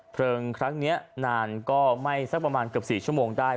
เพลิงครั้งนี้นานก็ไหม้สักประมาณเกือบ๔ชั่วโมงได้